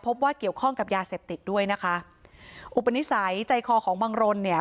พบว่าเกี่ยวข้องกับยาเสพติดด้วยนะคะอุปนิสัยใจคอของบังรนเนี่ย